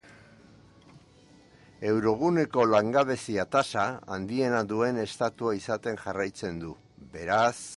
Euroguneko langabezia-tasa handiena duen estatua izaten jarraitzen du, beraz.